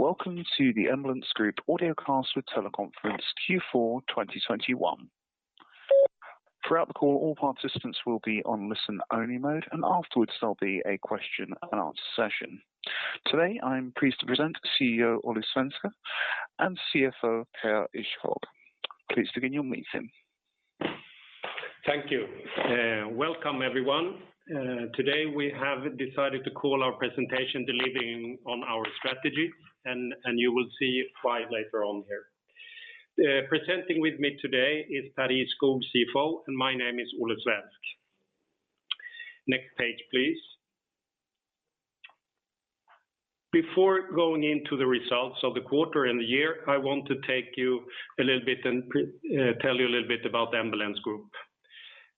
Welcome to the Embellence Group Audio Cast with Teleconference Q4 2021. Throughout the call, all participants will be on listen-only mode, and afterwards, there'll be a question and answer session. Today, I'm pleased to present CEO Olle Svensk and CFO Pär Ihrskog. Please begin your meeting. Thank you. Welcome, everyone. Today, we have decided to call our presentation delivering on our strategy, and you will see why later on here. Presenting with me today is Pär Ihrskog, CFO, and my name is Olle Svensk. Next page, please. Before going into the results of the quarter and the year, I want to take you a little bit and tell you a little bit about the Embellence Group.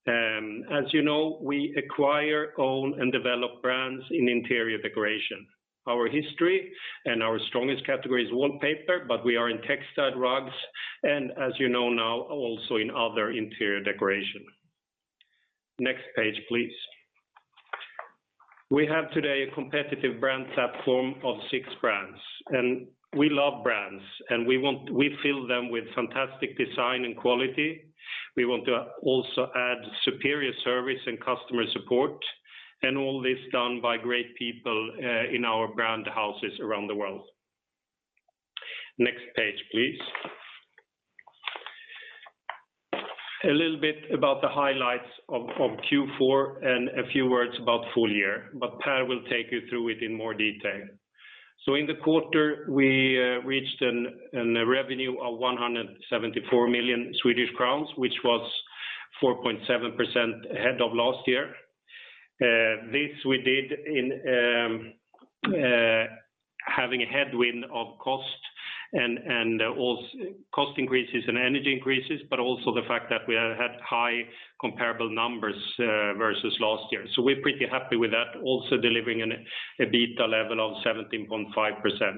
As you know, we acquire, own, and develop brands in interior decoration. Our history and our strongest category is wallpaper, but we are in textile rugs and as you know now, also in other interior decoration. Next page, please. We have today a competitive brand platform of six brands. We love brands. We fill them with fantastic design and quality. We want to also add superior service and customer support, and all this done by great people in our brand houses around the world. Next page, please. A little bit about the highlights of Q4 and a few words about full year, but Pär will take you through it in more detail. In the quarter, we reached an revenue of 174 million Swedish crowns, which was 4.7% ahead of last year. This we did in having a headwind of cost increases and energy increases, but also the fact that we had high comparable numbers versus last year. We're pretty happy with that, also delivering an EBITDA level of 17.5%.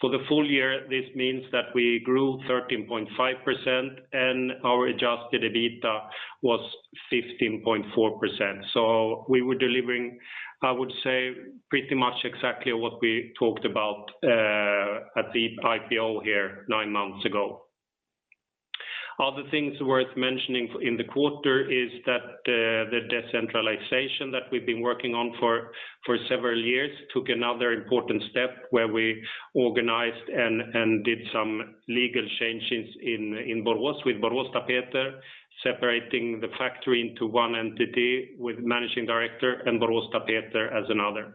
For the full year, this means that we grew 13.5%, and our adjusted EBITDA was 15.4%. We were delivering, I would say, pretty much exactly what we talked about at the IPO here nine months ago. Other things worth mentioning in the quarter is that the decentralization that we've been working on for several years took another important step where we organized and did some legal changes in Borås with Boråstapeter, separating the factory into one entity with managing director and Boråstapeter as another.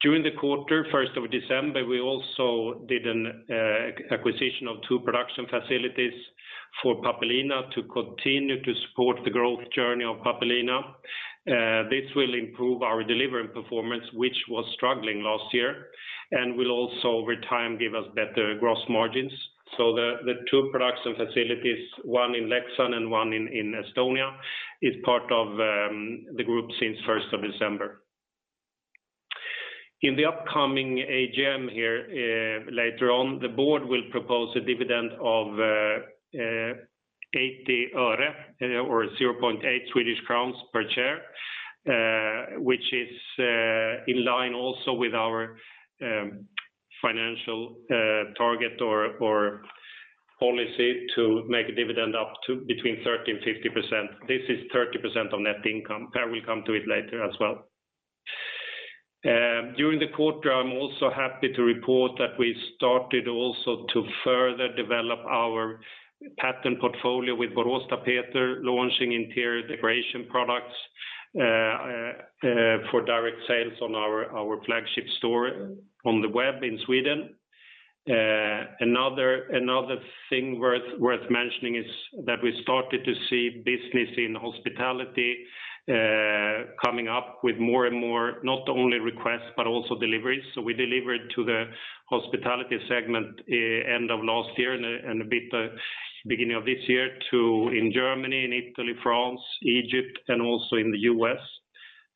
During the quarter, first of December, we also did an acquisition of two production facilities for Pappelina to continue to support the growth journey of Pappelina. This will improve our delivery performance, which was struggling last year, and will also over time give us better gross margins. The two production facilities, one in Leksand and one in Estonia, are part of the group since the first of December. In the upcoming AGM here later on, the board will propose a dividend of SEK 0.80 or 0.8 Swedish crowns per share, which is in line also with our financial target or policy to make a dividend up to between 30% and 50%. This is 30% of net income. Pär will come to it later as well. During the quarter, I am also happy to report that we started also to further develop our patent portfolio with Boråstapeter launching interior decoration products for direct sales on our flagship store on the web in Sweden. Another thing worth mentioning is that we started to see business in hospitality coming up with more and more, not only requests, but also deliveries. We delivered to the hospitality segment end of last year and a bit beginning of this year in Germany and Italy, France, Egypt, and also in the U.S.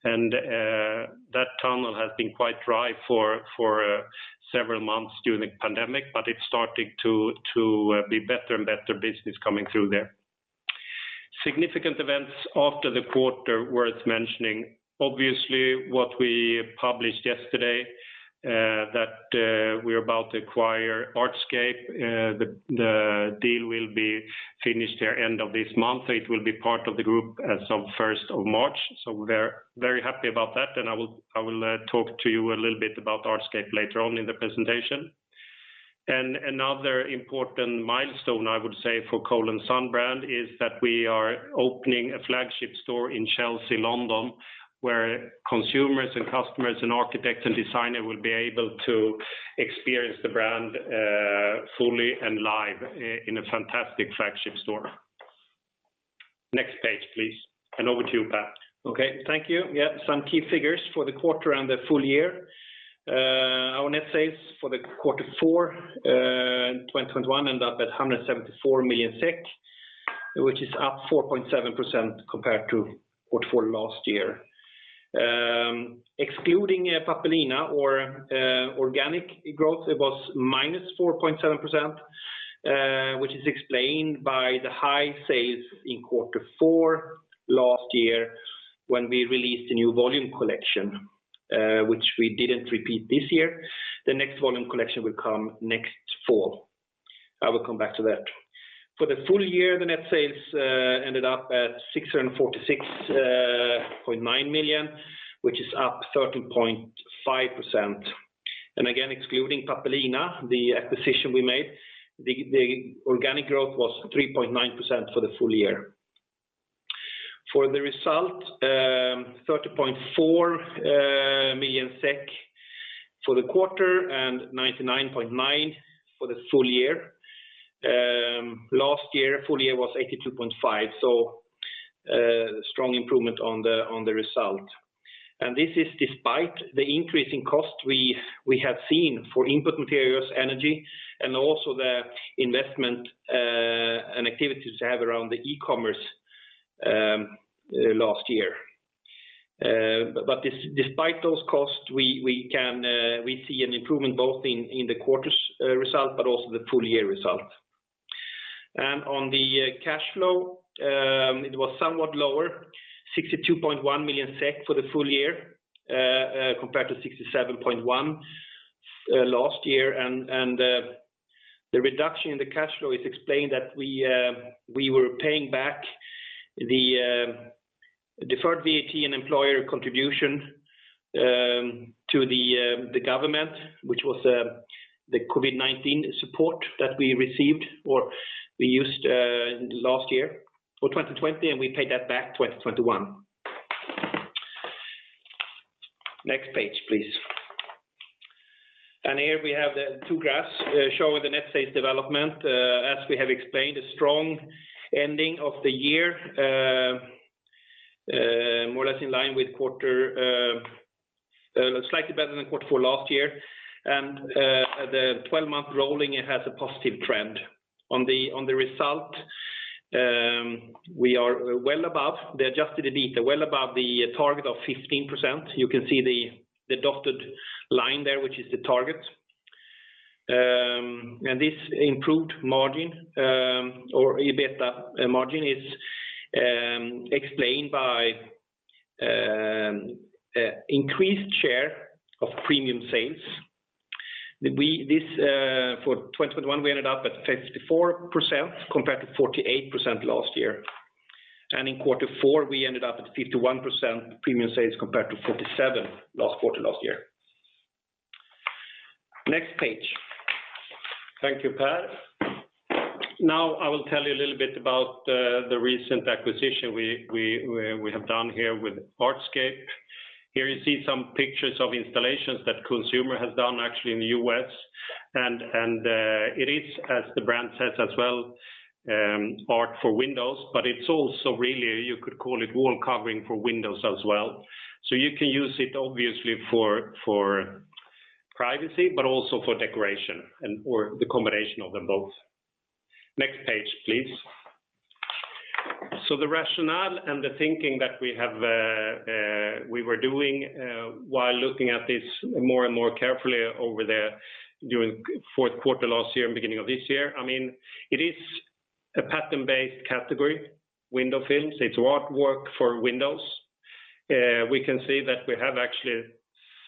That tunnel has been quite dry for several months during the pandemic, but it's starting to be better and better business coming through there. Significant events after the quarter worth mentioning, obviously, what we published yesterday, that we're about to acquire Artscape. The deal will be finished here end of this month. It will be part of the group as of first of March. We're very happy about that. I will talk to you a little bit about Artscape later on in the presentation. Another important milestone, I would say, for Cole & Son brand is that we are opening a flagship store in Chelsea, London, where consumers and customers and architects and designers will be able to experience the brand fully and live in a fantastic flagship store. Next page, please. Over to you, Pär. Okay. Thank you. Yeah, some key figures for the quarter and the full year. Our net sales for quarter four in 2021 end up at 174 million SEK, which is up 4.7% compared to quarter four last year. Excluding Pappelina, our organic growth, it was -4.7%. Which is explained by the high sales in quarter four last year when we released a new volume collection, which we didn't repeat this year. The next volume collection will come next fall. I will come back to that. For the full year, the net sales ended up at 646.9 million, which is up 13.5%. Again, excluding Pappelina, the acquisition we made, the organic growth was 3.9% for the full year. For the result, 30.4 million SEK for the quarter and 99.9 million for the full year. Last year, full year was 82.5 million, so strong improvement on the result. This is despite the increase in cost we have seen for input materials, energy, and also the investment and activities we have around the e-commerce last year. This despite those costs, we can see an improvement both in the quarter's result, but also the full year result. On the cash flow, it was somewhat lower, 62.1 million SEK for the full year, compared to 67.1 million last year. The reduction in the cash flow is explained that we were paying back the deferred VAT and employer contribution to the government, which was the COVID-19 support that we received, or we used, last year for 2020, and we paid that back 2021. Next page, please. Here we have the two graphs showing the net sales development. As we have explained, a strong ending of the year, more or less in line with quarter, slightly better than quarter four last year. The 12-month rolling, it has a positive trend. On the result, we are well above the adjusted EBITDA, well above the target of 15%. You can see the dotted line there, which is the target. This improved margin, or EBITDA margin is explained by increased share of premium sales. This, for 2021, we ended up at 54% compared to 48% last year. In quarter four, we ended up at 51% premium sales compared to 47% last quarter last year. Next page. Thank you, Pär. Now I will tell you a little bit about the recent acquisition we have done here with Artscape. Here you see some pictures of installations that customers have done actually in the U.S. It is, as the brand says as well, art for windows, but it's also really, you could call it wall covering for windows as well. You can use it obviously for privacy, but also for decoration and/or the combination of them both. Next page, please. The rationale and the thinking that we were doing while looking at this more and more carefully during fourth quarter last year and beginning of this year, I mean, it is a pattern-based category, window films. It's artwork for windows. We can see that we have actually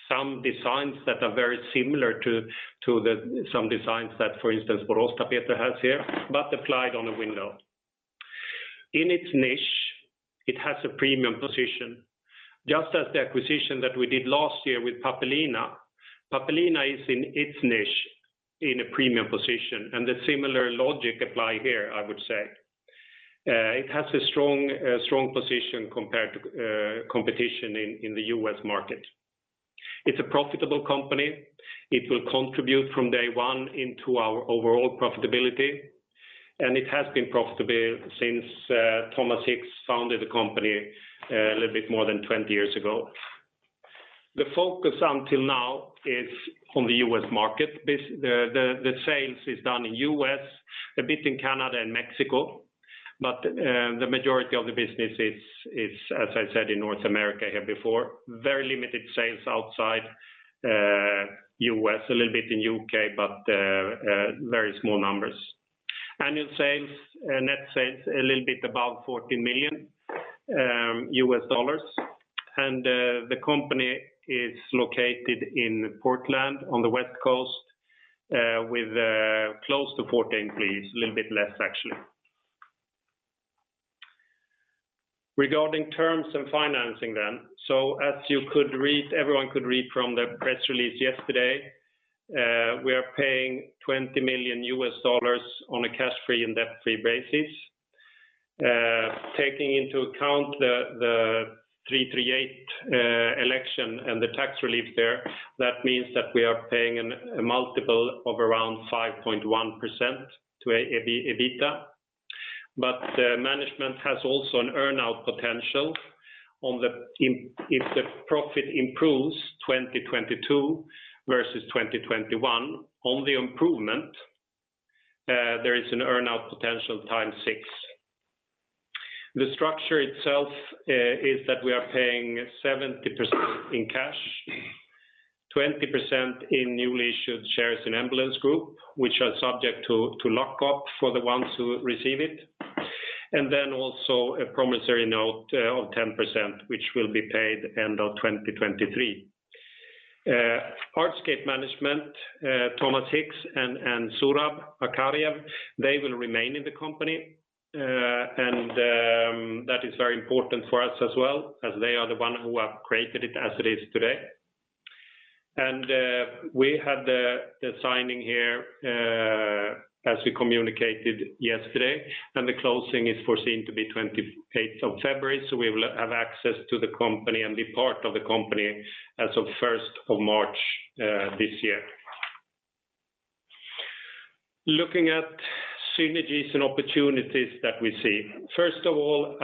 some designs that are very similar to some designs that, for instance, Boråstapeter has here, but applied on a window. In its niche, it has a premium position, just as the acquisition that we did last year with Pappelina. Pappelina is in its niche in a premium position, and the similar logic apply here, I would say. It has a strong position compared to competition in the U.S. market. It's a profitable company. It will contribute from day one into our overall profitability, and it has been profitable since Thomas Hicks founded the company a little bit more than 20 years ago. The focus until now is on the U.S. market. The sales is done in U.S., a bit in Canada and Mexico, but the majority of the business is, as I said, in North America here before. Very limited sales outside U.S., a little bit in U.K., but very small numbers. Annual sales, net sales a little bit above $40 million. The company is located in Portland on the West Coast with close to 14 employees, a little bit less actually. Regarding terms and financing then. As you could read, everyone could read from the press release yesterday, we are paying $20 million on a cash-free and debt-free basis. Taking into account the 338 election and the tax relief there, that means that we are paying a multiple of around 5.1x EBITDA. Management has also an earn-out potential if the profit improves 2022 versus 2021. On the improvement, there is an earn-out potential 6x. The structure itself is that we are paying 70% in cash, 20% in newly issued shares in Embellence Group, which are subject to lock up for the ones who receive it. Then also a promissory note of 10%, which will be paid end of 2023. Artscape management, Thomas Hicks and Zurab Akhriev, they will remain in the company. That is very important for us as well, as they are the one who have created it as it is today. We had the signing here, as we communicated yesterday, and the closing is foreseen to be 28th of February, so we will have access to the company and be part of the company as of 1st of March, this year. Looking at synergies and opportunities that we see. First of all,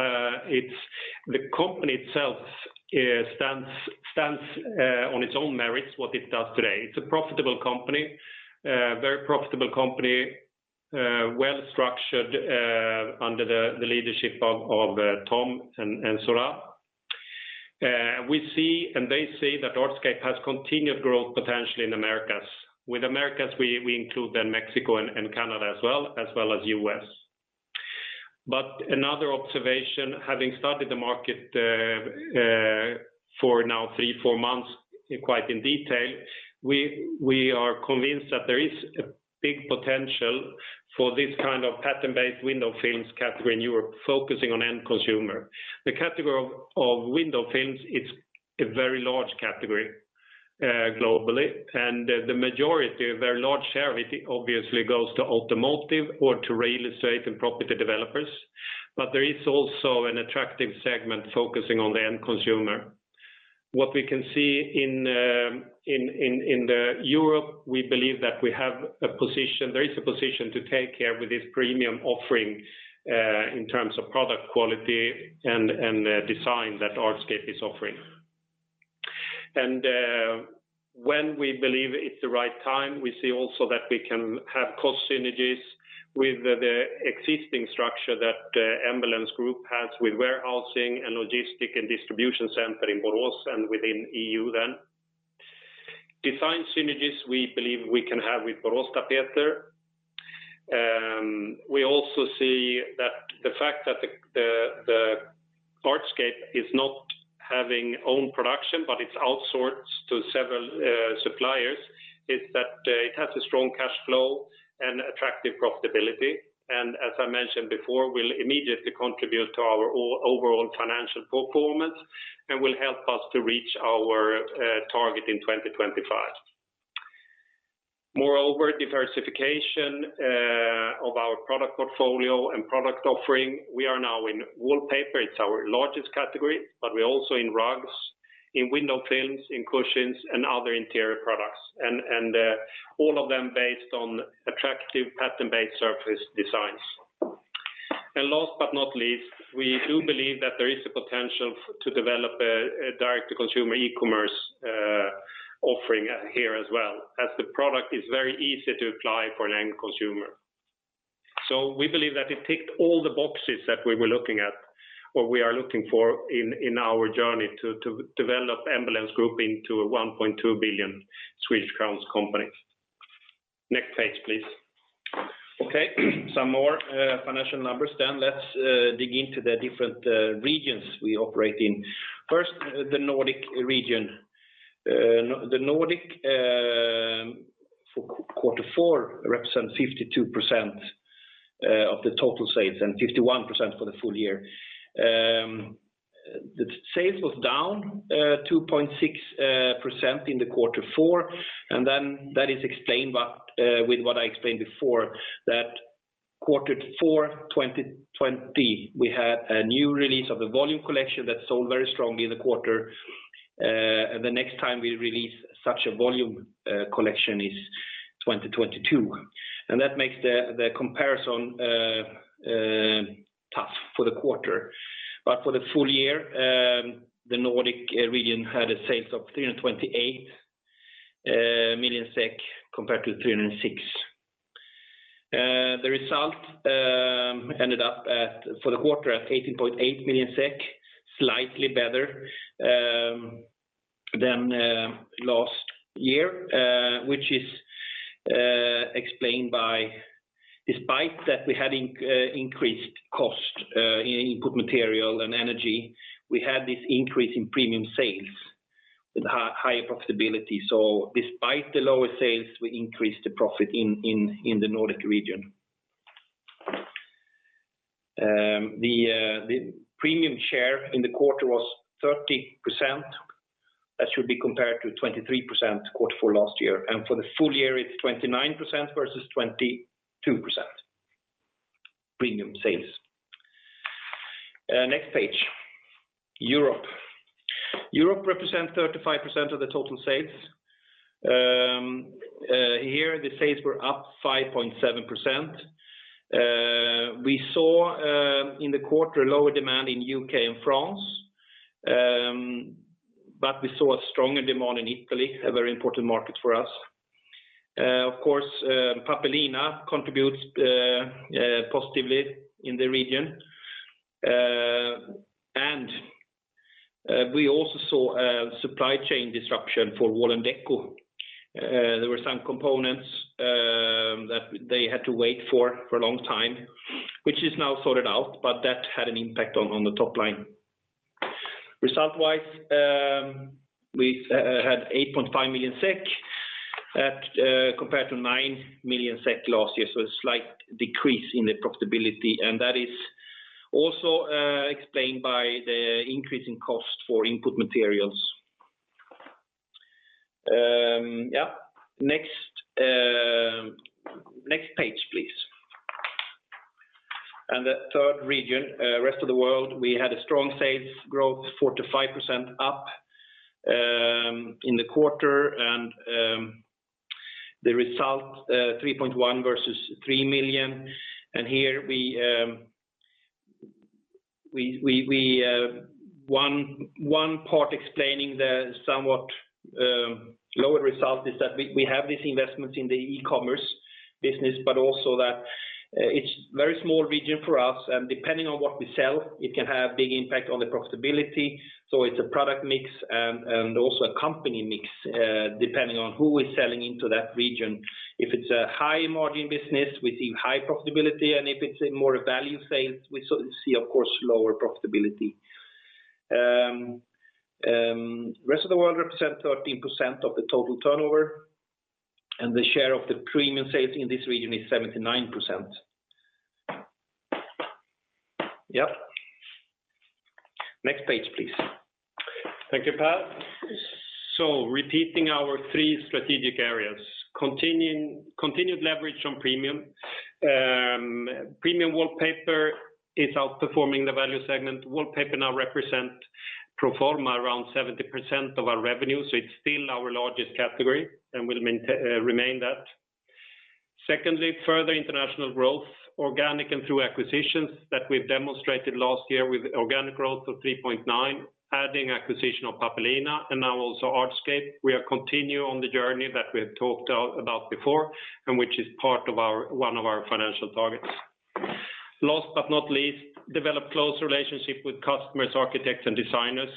it's the company itself stands on its own merits, what it does today. It's a profitable company, very profitable company, well structured, under the leadership of Thomas Hicks and Zurab Akhriev. We see and they say that Artscape has continued growth potentially in Americas. With Americas, we include then Mexico and Canada as well as U.S. Another observation, having studied the market, for now three-four months quite in detail, we are convinced that there is a big potential for this kind of pattern-based window films category in Europe, focusing on end consumer. The category of window films, it's a very large category, globally. The majority, a very large share of it obviously goes to automotive or to real estate and property developers. There is also an attractive segment focusing on the end consumer. What we can see in Europe, we believe that we have a position, there is a position to take care with this premium offering, in terms of product quality and design that Artscape is offering. When we believe it's the right time, we see also that we can have cost synergies with the existing structure that Embellence Group has with warehousing and logistics and distribution center in Borås and within EU then. Design synergies, we believe we can have with Boråstapeter. We also see that the fact that Artscape is not having own production, but it's outsourced to several suppliers, is that it has a strong cash flow and attractive profitability. As I mentioned before, will immediately contribute to our overall financial performance and will help us to reach our target in 2025. Moreover, diversification of our product portfolio and product offering, we are now in wallpaper. It's our largest category, but we're also in rugs, in window films, in cushions, and other interior products. All of them based on attractive pattern-based surface designs. Last but not least, we do believe that there is a potential to develop a direct-to-consumer e-commerce offering here as well, as the product is very easy to apply for an end consumer. We believe that it ticked all the boxes that we were looking at or we are looking for in our journey to develop Embellence Group into a 1.2 billion Swedish crowns company. Next page, please. Okay. Some more financial numbers then. Let's dig into the different regions we operate in. First, the Nordic region. The Nordic for quarter four represents 52% of the total sales and 51% for the full year. The sales was down 2.6% in quarter four, and then that is explained by with what I explained before, that quarter four 2020, we had a new release of the volume collection that sold very strongly in the quarter. The next time we release such a volume collection is 2022. That makes the comparison tough for the quarter. For the full year, the Nordic region had sales of 328 million SEK compared to 306. The result ended up at for the quarter 18.8 million SEK, slightly better than last year, which is explained by despite that we had increased cost in input material and energy, we had this increase in premium sales with higher profitability. Despite the lower sales, we increased the profit in the Nordic region. The premium share in the quarter was 30%. That should be compared to 23% quarter four last year. For the full year, it's 29% versus 22% premium sales. Next page. Europe. Europe represents 35% of the total sales. Here, the sales were up 5.7%. We saw in the quarter, lower demand in U.K. and France, but we saw a stronger demand in Italy, a very important market for us. Of course, Pappelina contributes positively in the region. We also saw a supply chain disruption for Wall&decò. There were some components that they had to wait for for a long time, which is now sorted out, but that had an impact on the top line. Results wise, we had 8.5 million SEK compared to 9 million SEK last year, so a slight decrease in the profitability and that is also explained by the increase in cost for input materials. Yeah. Next page, please. The third region, rest of the world, we had a strong sales growth 4%-5% up in the quarter and the result 3.1 versus 3 million. Here we have one part explaining the somewhat lower result is that we have this investment in the e-commerce business, but also that it's a very small region for us, and depending on what we sell, it can have a big impact on the profitability. It's a product mix and also a company mix, depending on who we're selling into that region. If it's a high margin business, we see high profitability, and if it's a more value sales, we see of course lower profitability. Rest of the world represents 13% of the total turnover, and the share of the premium sales in this region is 79%. Yep. Next page, please. Thank you, Pär. Repeating our three strategic areas, continued leverage on premium. Premium wallpaper is outperforming the value segment. Wallpaper now represent pro forma around 70% of our revenue, so it's still our largest category and will remain that. Secondly, further international growth, organic and through acquisitions that we've demonstrated last year with organic growth of 3.9%, adding acquisition of Pappelina and now also Artscape. We are continue on the journey that we have talked about before, and which is part of our one of our financial targets. Last but not least, develop close relationship with customers, architects, and designers,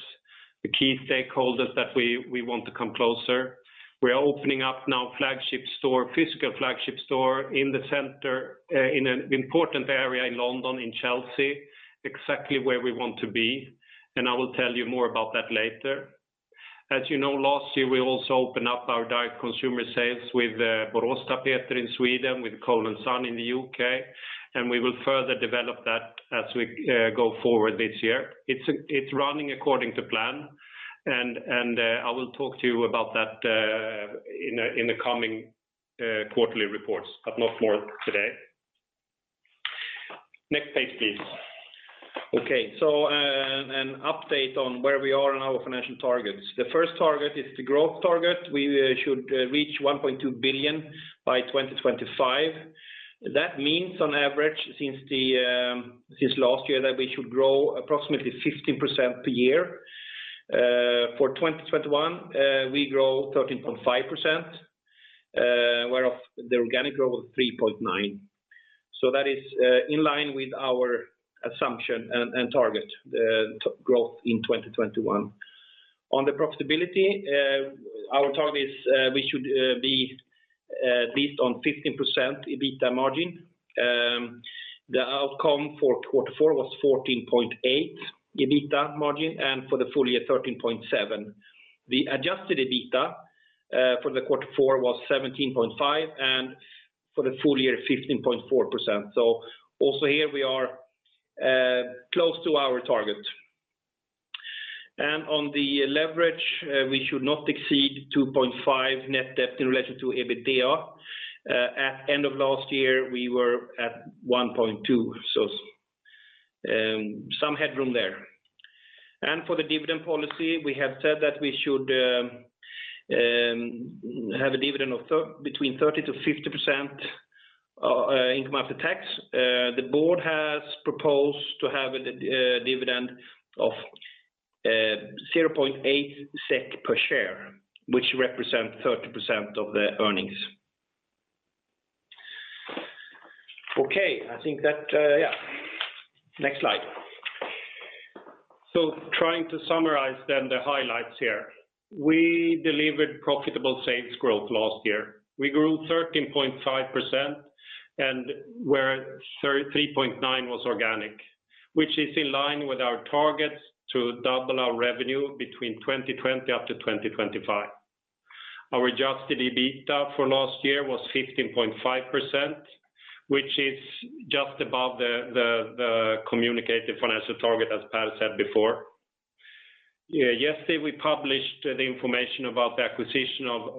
the key stakeholders that we want to come closer. We are opening up now flagship store, physical flagship store in the center, in an important area in London, in Chelsea, exactly where we want to be, and I will tell you more about that later. As you know, last year, we also open up our direct consumer sales with Boråstapeter in Sweden, with Cole & Son in the U.K., and we will further develop that as we go forward this year. It's running according to plan, and I will talk to you about that in the coming quarterly reports, but not more today. Next page, please. Okay. An update on where we are in our financial targets. The first target is the growth target. We should reach 1.2 billion by 2025. That means on average since last year that we should grow approximately 15% per year. For 2021, we grow 13.5%, whereof the organic growth 3.9%. That is in line with our assumption and target, the target growth in 2021. On the profitability, our target is we should be at least on 15% EBITDA margin. The outcome for quarter four was 14.8% EBITDA margin, and for the full year, 13.7%. The adjusted EBITDA for quarter four was 17.5%, and for the full year, 15.4%. Also here we are close to our target. On the leverage, we should not exceed 2.5 net debt in relation to EBITDA. At the end of last year, we were at 1.2. Some headroom there. For the dividend policy, we have said that we should have a dividend between 30%-50% of income after tax. The board has proposed to have a dividend of 0.8 SEK per share, which represent 30% of the earnings. Okay. I think that, yeah. Next slide. Trying to summarize the highlights here. We delivered profitable sales growth last year. We grew 13.5% and 3.9% was organic, which is in line with our targets to double our revenue between 2020 up to 2025. Our adjusted EBITDA for last year was 15.5%, which is just above the communicated financial target, as Pär said before. Yesterday, we published the information about the acquisition of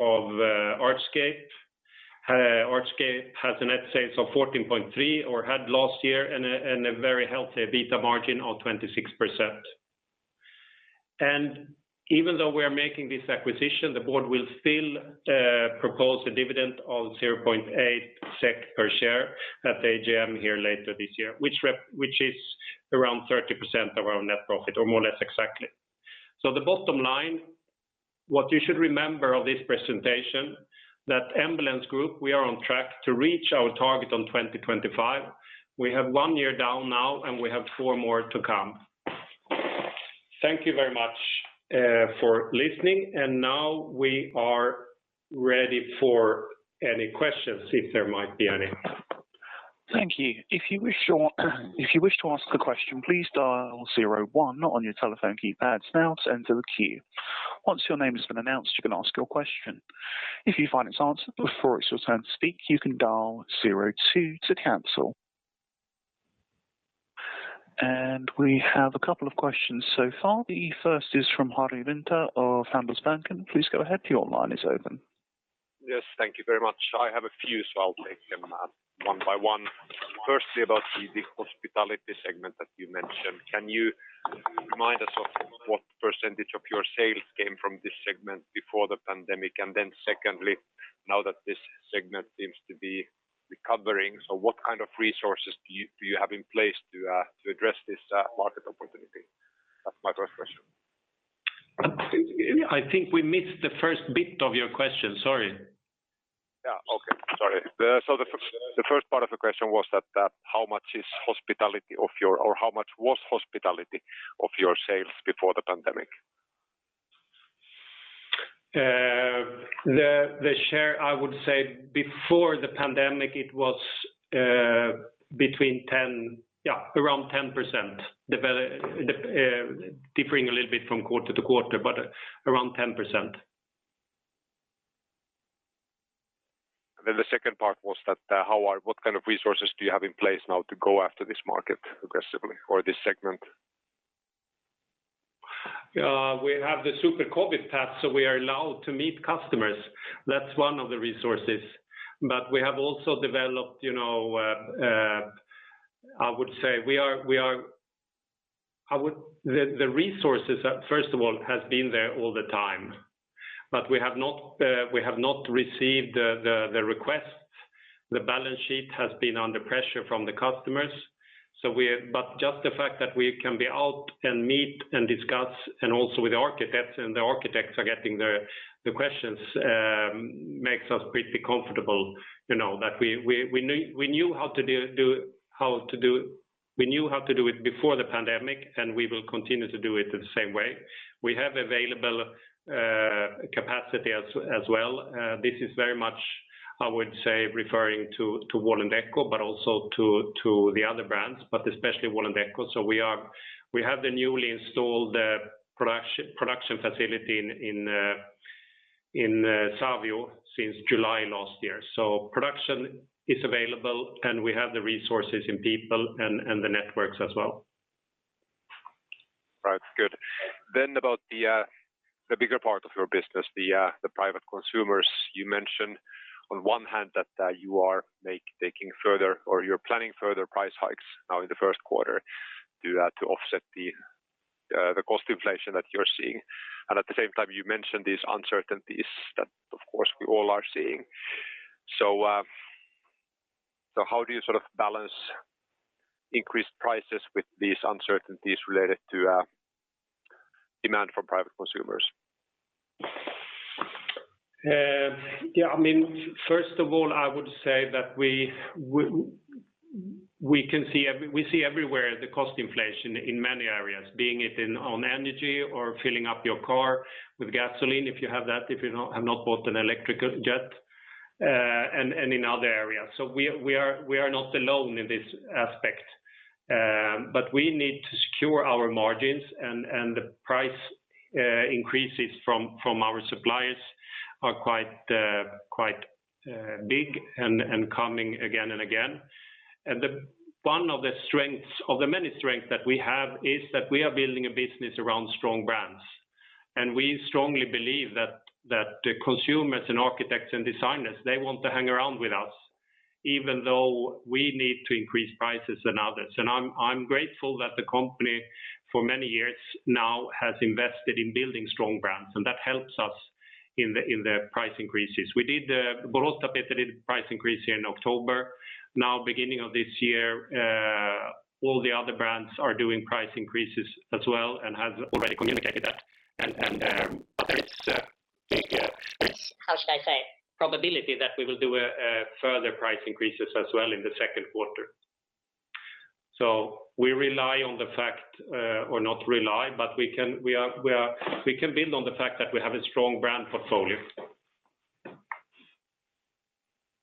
Artscape. Artscape has net sales of $14.3, or had last year, and a very healthy EBITDA margin of 26%. Even though we are making this acquisition, the board will still propose a dividend of 0.8 SEK per share at the AGM here later this year, which is around 30% of our net profit, or more or less exactly. So the bottom line, what you should remember of this presentation, that Embellence Group, we are on track to reach our target on 2025. We have one year down now, and we have four more to come. Thank you very much for listening. Now we are ready for any questions if there might be any. Thank you. If you wish to ask a question, please dial zero, one on your telephone keypads now to enter the queue. Once your name has been announced, you can ask your question. If you find it's answered before it's your turn to speak, you can dial zero, two to cancel. We have a couple of questions so far. The first is from Harry Wintner of Handelsbanken. Please go ahead. Your line is open. Yes, thank you very much. I have a few, so I'll take them one by one. Firstly, about the hospitality segment that you mentioned. Can you remind us of what percentage of your sales came from this segment before the pandemic? Secondly, now that this segment seems to be recovering, so what kind of resources do you have in place to address this market opportunity? That's my first question. I think we missed the first bit of your question, sorry. Yeah. Okay, sorry. The first part of the question was that, how much was hospitality of your sales before the pandemic? The share, I would say before the pandemic, it was between 10, yeah, around 10%. It was differing a little bit from quarter to quarter, but around 10%. The second part was that, what kind of resources do you have in place now to go after this market aggressively or this segment? We have the super COVID pass, so we are allowed to meet customers. That's one of the resources. We have also developed, you know, I would say we are. The resources, first of all, has been there all the time. We have not received the request. The balance sheet has been under pressure from the customers. Just the fact that we can be out and meet and discuss and also with the architects, and the architects are getting the questions makes us pretty comfortable, you know, that we knew how to do it before the pandemic, and we will continue to do it the same way. We have available capacity as well. This is very much, I would say, referring to Wall&decò, but also to the other brands, but especially Wall&decò. We have the newly installed production facility in Savio since July last year. Production is available, and we have the resources in people and the networks as well. Right. Good. About the bigger part of your business, the private consumers. You mentioned on one hand that you are taking further or you're planning further price hikes now in the first quarter to offset the cost inflation that you're seeing. At the same time, you mentioned these uncertainties that, of course, we all are seeing. How do you sort of balance increased prices with these uncertainties related to demand from private consumers? Yeah, I mean, first of all, I would say that we see everywhere the cost inflation in many areas, be it energy or filling up your car with gasoline, if you have that, if you have not bought an electric yet, and in other areas. We are not alone in this aspect. We need to secure our margins and the price increases from our suppliers are quite big and coming again and again. One of the strengths or the many strengths that we have is that we are building a business around strong brands. We strongly believe that the consumers and architects and designers, they want to hang around with us even though we need to increase prices and others. I'm grateful that the company for many years now has invested in building strong brands, and that helps us in the price increases. We did the Boråstapeter price increase here in October. Now, beginning of this year, all the other brands are doing price increases as well and have already communicated that. There is a probability that we will do further price increases as well in the second quarter. We can build on the fact that we have a strong brand portfolio.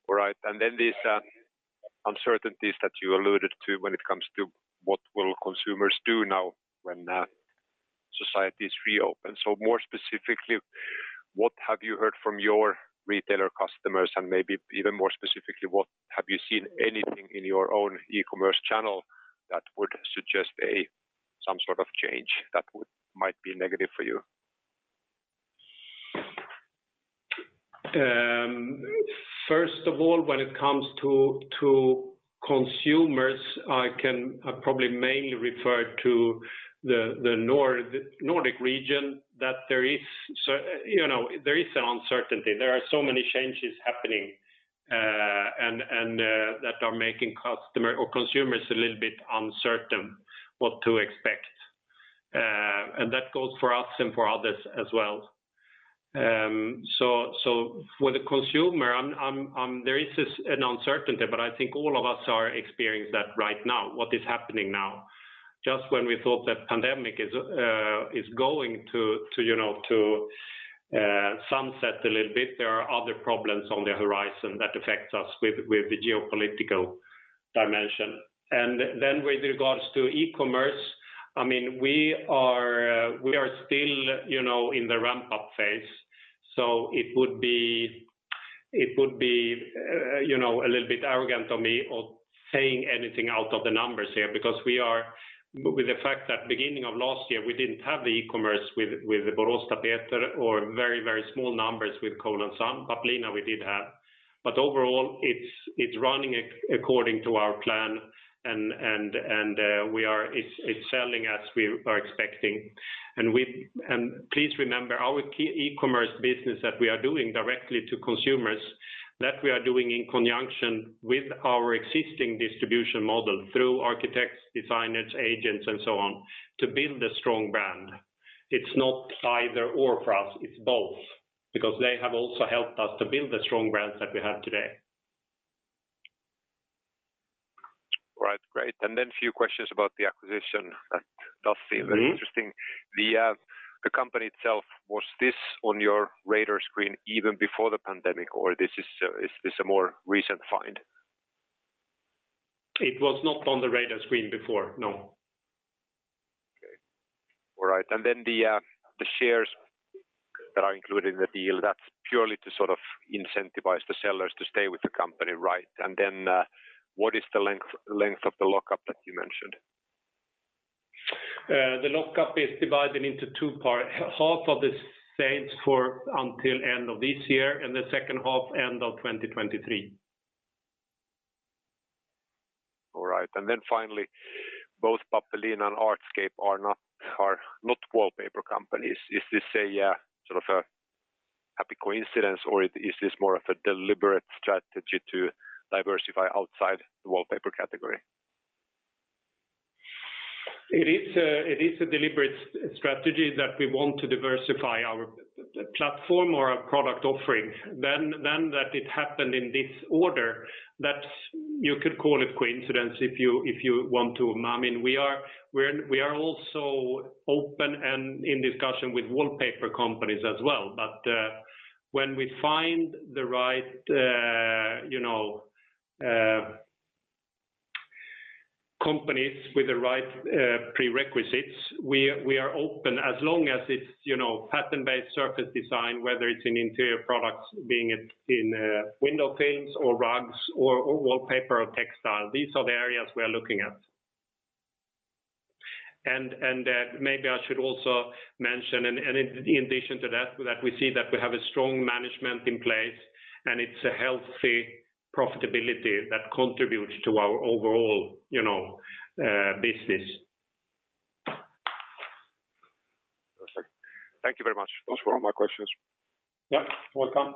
All right. These uncertainties that you alluded to when it comes to what will consumers do now when society is reopened. More specifically, what have you heard from your retailer customers? And maybe even more specifically, have you seen anything in your own e-commerce channel that would suggest some sort of change that might be negative for you? First of all, when it comes to consumers, I probably mainly refer to the Nordic region that there is, you know, there is an uncertainty. There are so many changes happening, and that are making customers or consumers a little bit uncertain what to expect. And that goes for us and for others as well. For the consumer, there is this uncertainty, but I think all of us are experiencing that right now, what is happening now. Just when we thought that the pandemic is going to, you know, sunset a little bit, there are other problems on the horizon that affects us with the geopolitical dimension. Then with regards to e-commerce, I mean, we are still, you know, in the ramp up phase. It would be you know a little bit arrogant of me of saying anything out of the numbers here because with the fact that beginning of last year, we didn't have the e-commerce with Boråstapeter or very small numbers with Cole & Son. Pappelina we did have. Overall it's running according to our plan and it's selling as we are expecting. Please remember our key e-commerce business that we are doing directly to consumers, that we are doing in conjunction with our existing distribution model through architects, designers, agents, and so on to build a strong brand. It's not either or for us, it's both. They have also helped us to build the strong brands that we have today. Right. Great. Few questions about the acquisition that does seem very interesting. The company itself, was this on your radar screen even before the pandemic, or is this a more recent find? It was not on the radar screen before. No. Okay. All right. The shares that are included in the deal, that's purely to sort of incentivize the sellers to stay with the company, right? What is the length of the lockup that you mentioned? The lockup is divided into two parts. Half of the shares until end of this year and the second half until end of 2023. All right. Finally, both Pappelina and Artscape are not wallpaper companies. Is this a sort of a happy coincidence or is this more of a deliberate strategy to diversify outside the wallpaper category? It is a deliberate strategy that we want to diversify our platform or our product offering. That it happened in this order that you could call it coincidence if you want to. I mean, we are also open and in discussion with wallpaper companies as well. When we find the right, you know, companies with the right prerequisites, we are open. As long as it's, you know, pattern-based surface design, whether it's in interior products, be it in window films or rugs or wallpaper or textile. These are the areas we are looking at. Maybe I should also mention, in addition to that we see that we have a strong management in place, and it's a healthy profitability that contributes to our overall business, you know. Thank you very much. Those were all my questions. Yeah. Welcome.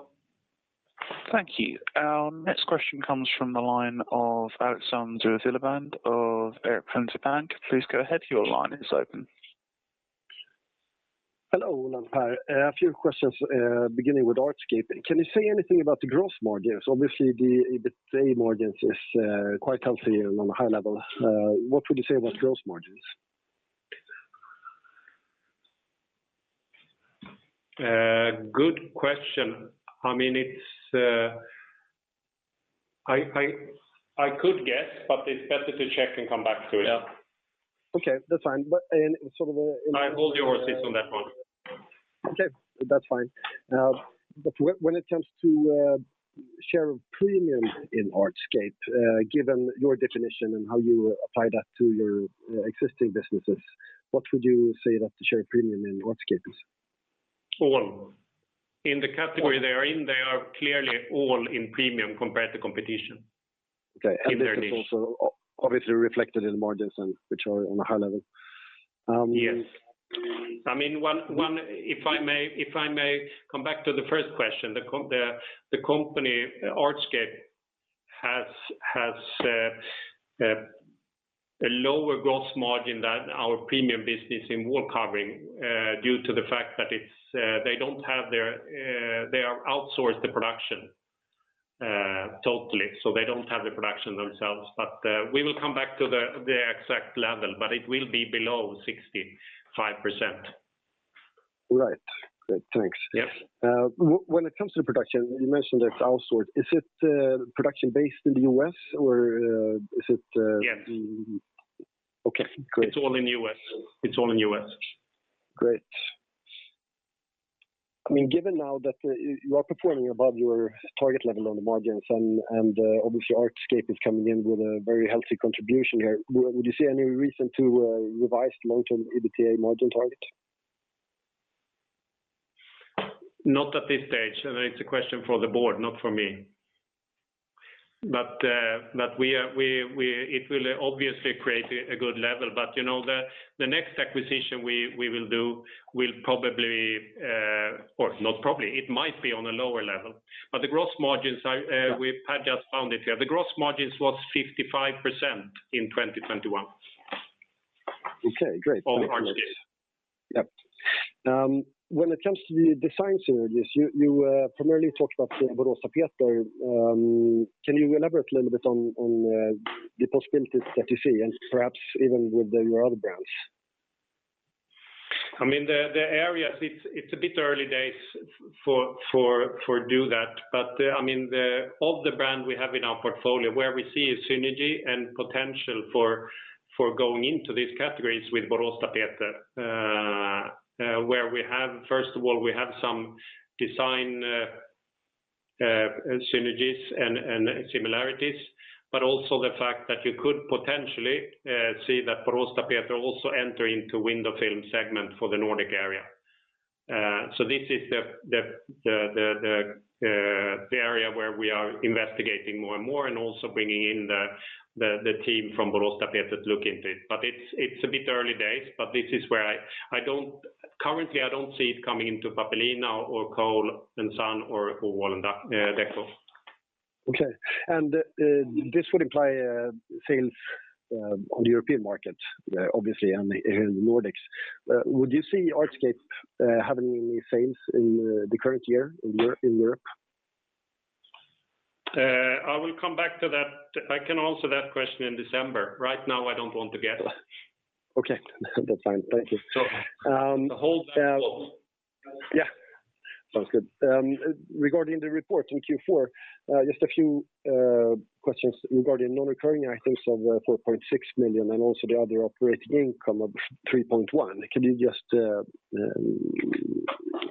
Thank you. Our next question comes from the line of Alexander Siljeblad of Danske Bank. Please go ahead. Your line is open. Hello, Olle and Pär. A few questions, beginning with Artscape. Can you say anything about the gross margins? Obviously, the EBITDA margins is quite healthy and on a high level. What would you say about gross margins? Good question. I mean, it's I could guess, but it's better to check and come back to it. Yeah. Okay. That's fine. Hold your horses on that one. Okay. That's fine. When it comes to share premium in Artscape, given your definition and how you apply that to your existing businesses, what would you say that the share premium in Artscape is? All in the category they are in, they are clearly all in premium compared to competition. Okay. In their niche. This is also obviously reflected in the margins and which are on a high level. Yes. I mean, if I may come back to the first question. The company Artscape has a lower gross margin than our premium business in wallcovering due to the fact that it's they don't have their they outsource the production totally. So they don't have the production themselves. We will come back to the exact level, but it will be below 65%. Right. Good. Thanks. Yes. When it comes to production, you mentioned it's outsourced. Is it production based in the U.S. or is it Yes. Okay, great. It's all in U.S. Great. I mean, given now that you are performing above your target level on the margins and obviously Artscape is coming in with a very healthy contribution here, would you see any reason to revise long-term EBITDA margin target? Not at this stage. I mean, it's a question for the board, not for me. It will obviously create a good level. You know, the next acquisition we will do will probably or not probably, it might be on a lower level. The gross margins we have just found here was 55% in 2021. Okay, great. On Artscape. Yep. When it comes to the design synergies, you primarily talked about Boråstapeter. Can you elaborate a little bit on the possibilities that you see and perhaps even with your other brands? I mean, the areas, it's a bit early days to do that. I mean, one of the brands we have in our portfolio where we see a synergy and potential for going into these categories with Boråstapeter, where we have, first of all, we have some design synergies and similarities, but also the fact that you could potentially see that Boråstapeter also enter into window film segment for the Nordic area. So this is the area where we are investigating more and more and also bringing in the team from Boråstapeter to look into it. It's a bit early days, but this is where I don't see it coming into Pappelina or Cole & Son or Wall&decò. Okay. This would imply sales on the European market, obviously in the Nordics. Would you see Artscape having any sales in the current year in Europe? I will come back to that. I can answer that question in December. Right now, I don't want to guess. Okay. That's fine. Thank you. Hold that thought. Yeah. Sounds good. Regarding the report in Q4, just a few questions regarding non-recurring items of 4.6 million and also the other operating income of 3.1 million. Can you just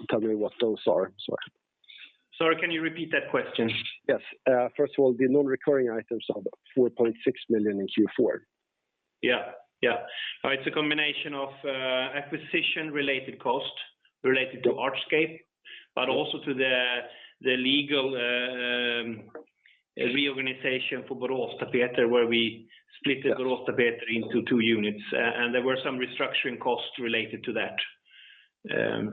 tell me what those are? Sorry. Sorry, can you repeat that question? Yes. First of all, the non-recurring items of 4.6 million in Q4. Yeah. It's a combination of acquisition-related costs related to Artscape, but also to the legal reorganization for Boråstapeter, where we split Boråstapeter into two units. There were some restructuring costs related to that.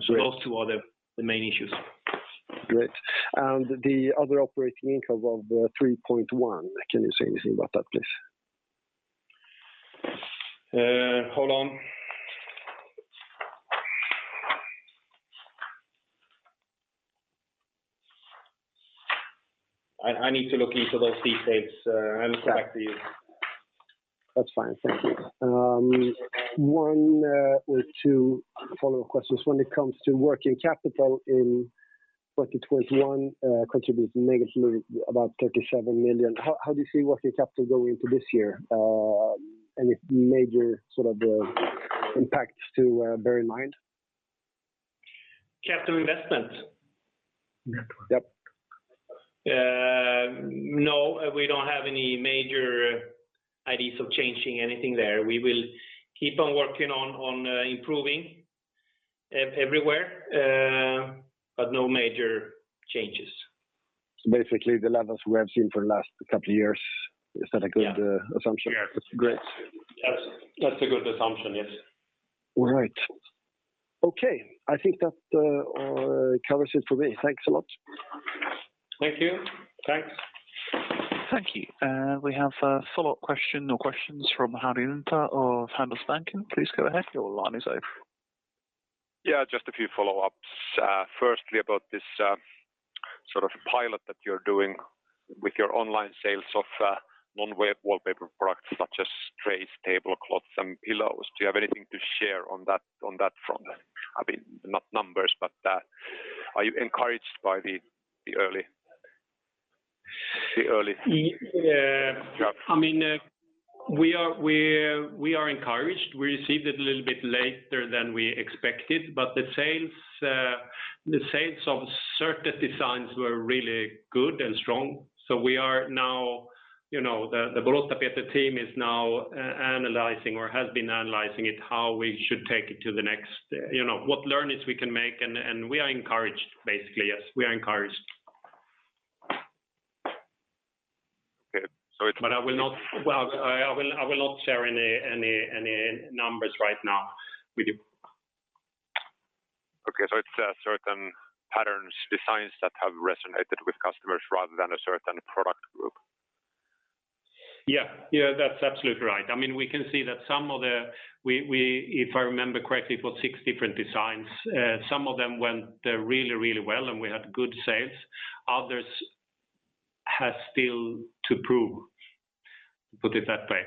Those two are the main issues. Great. The other operating income of 3.1. Can you say anything about that, please? Hold on. I need to look into those details. I'll get back to you. That's fine. Thank you. One or two follow-up questions. When it comes to working capital in 2021, contributes negatively about 37 million. How do you see working capital going into this year? Any major sort of impacts to bear in mind? Capital investment? Yep. No, we don't have any major ideas of changing anything there. We will keep on working on improving everywhere, but no major changes. Basically the levels we have seen for the last couple of years. Is that a good assumption? Yeah. Great. That's a good assumption. Yes. All right. Okay. I think that covers it for me. Thanks a lot. Thank you. Thanks. Thank you. We have a follow-up question or questions from Harry Wintner of Handelsbanken. Please go ahead. Your line is open. Yeah, just a few follow-ups. Firstly, about this sort of pilot that you're doing with your online sales of non-wallpaper products such as trays, tablecloths, and pillows. Do you have anything to share on that front? I mean, not numbers, but are you encouraged by the early. Yeah. drop? I mean, we are encouraged. We received it a little bit later than we expected, but the sales of certain designs were really good and strong. We are now, you know, the Boråstapeter team is now analyzing or has been analyzing it, how we should take it to the next, you know, what learnings we can make, and we are encouraged, basically. Yes, we are encouraged. Okay. I will not share any numbers right now with you. Okay. It's certain patterns, designs that have resonated with customers rather than a certain product group? Yeah. That's absolutely right. I mean, we can see that some of the, if I remember correctly, it was six different designs. Some of them went really well, and we had good sales. Others has still to prove, to put it that way.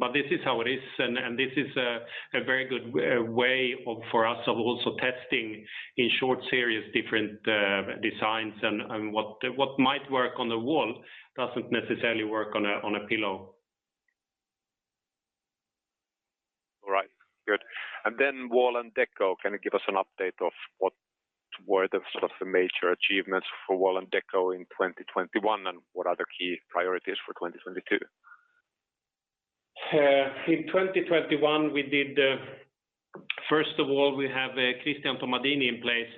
But this is how it is, and this is a very good way of for us of also testing in short series different designs. What might work on the wall doesn't necessarily work on a pillow. All right. Good. Wall&decò, can you give us an update of what were the sort of the major achievements for Wall&decò in 2021 and what are the key priorities for 2022? In 2021, we did, first of all, we have Christian Tomadini in place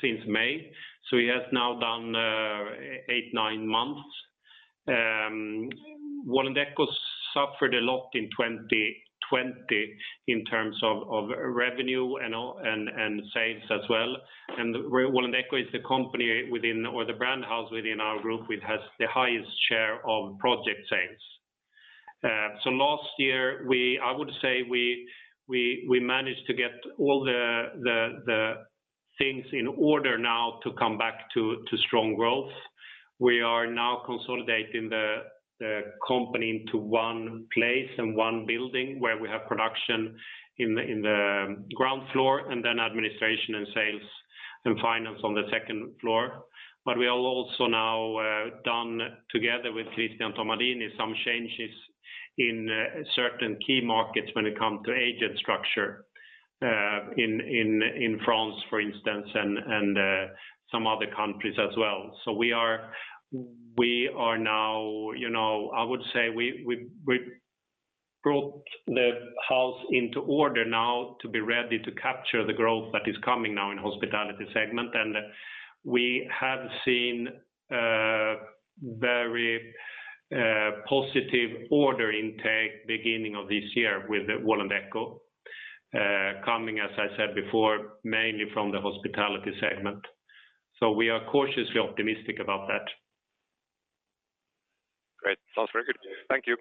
since May, so he has now done eight-nine months. Wall&decò suffered a lot in 2020 in terms of revenue and all, and sales as well. Wall&decò is the company within or the brand house within our group, which has the highest share of project sales. Last year, I would say we managed to get all the things in order now to come back to strong growth. We are now consolidating the company into one place and one building where we have production in the ground floor and then administration and sales and finance on the second floor. We have also now done together with Christian Tomadini some changes in certain key markets when it comes to agent structure in France, for instance, and some other countries as well. We are now, you know, I would say we brought the house into order now to be ready to capture the growth that is coming now in hospitality segment. We have seen very positive order intake beginning of this year with Wall&decò coming, as I said before, mainly from the hospitality segment. We are cautiously optimistic about that. Great. Sounds very good. Thank you.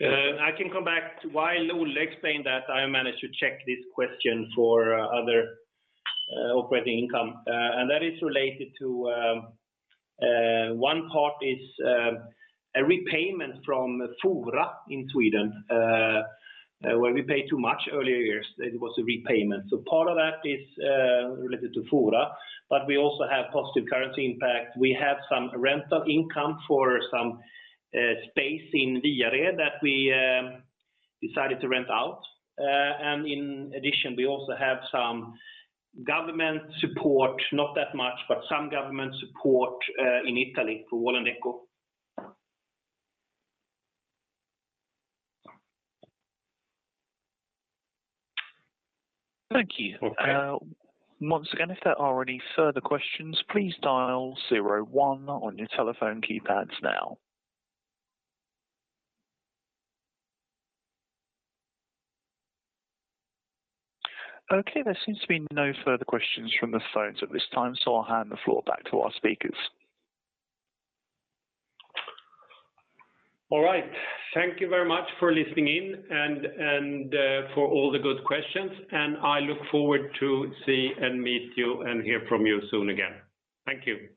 I can come back. While Olle explain that I managed to check this question for other operating income, and that is related to one part is a repayment from Fora in Sweden, where we paid too much earlier years. It was a repayment. Part of that is related to Fora, but we also have positive currency impact. We have some rental income for some space in Viareggio that we decided to rent out. In addition, we also have some government support, not that much, but some government support in Italy for Wall&decò. Thank you. Once again, if there are any further questions, please dial zero, one on your telephone keypads now. Okay. There seems to be no further questions from the phones at this time, so I'll hand the floor back to our speakers. All right. Thank you very much for listening in and for all the good questions, and I look forward to see and meet you and hear from you soon again. Thank you.